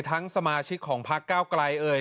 ทั้งสมาชิกของพรรคกร่าวไกรเอ้ย